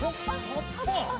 葉っぱ。